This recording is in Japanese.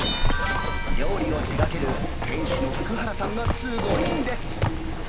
料理を手がける店主の福原さんがすごいんです。